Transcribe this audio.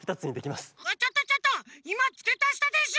ちょっとちょっといまつけたしたでしょ！